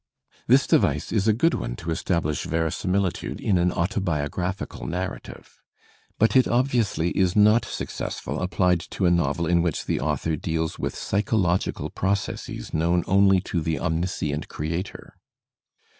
This device is a good one to establish verisimiUtude in an autobiographical narrative. But it obviously is not successful, appUed to a novel in which the author deals with psychological processes known only to the omniscient creator.